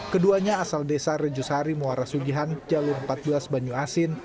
keduanya asal desa rejusari muara sugihan jalur empat belas banyu asin